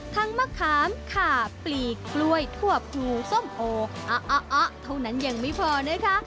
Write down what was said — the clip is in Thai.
มะขามขาปลีกล้วยถั่วพลูส้มโออะเท่านั้นยังไม่พอนะคะ